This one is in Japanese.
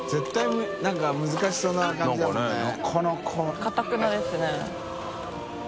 かたくなですね。